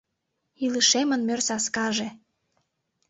Илышемын мӧр саскаже